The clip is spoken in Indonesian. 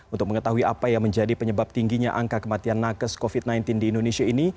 untuk mengetahui apa yang menjadi penyebab tingginya angka kematian nakes covid sembilan belas di indonesia ini